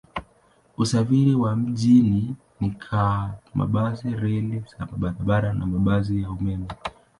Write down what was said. Usafiri wa mjini ni kwa mabasi, reli za barabarani na mabasi ya umeme.